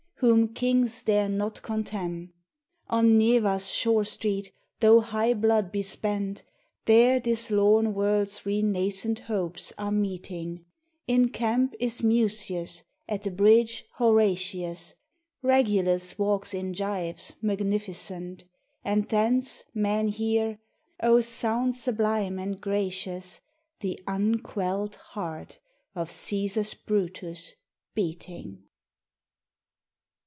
whom kings dare not contemn. On Neva's shore streets tho' high blood be spent, There this lorn world's renascent hopes are meeting: In camp is Mucius, at the bridge, Horatius; Regulus walks in gyves, magnificent; And thence men hear O sound sublime and gracious! The unquelled heart of Cæsar's Brutus beating.